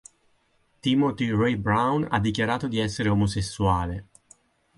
Timothy Ray brown ha dichiarato di essere omosessuale.